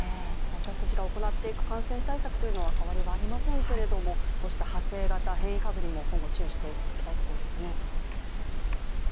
私たちが行っていく感染対策というのは変わりはありませんけどこうした派生型、変異株にも今後注意していきたいところですね。